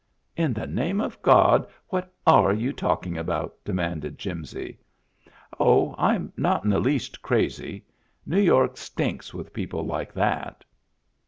" In the name of God, what are you talking about?" demanded Jimsy, "Oh, I'm not in the least crazy. New York stinks with people like that."